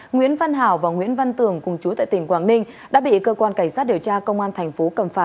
nguyễn văn hảo và nguyễn văn tường cùng chú tại tp quảng ninh đã bị cơ quan cảnh sát điều tra công an tp cầm phà